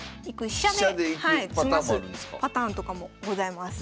飛車で詰ますパターンとかもございます。